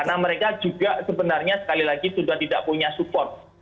karena mereka juga sebenarnya sekali lagi sudah tidak punya support